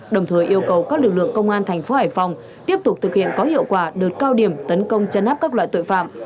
đồng thời yêu cầu các lực lượng công an thành phố hải phòng tiếp tục thực hiện có hiệu quả đợt cao điểm tấn công chân áp các loại tội phạm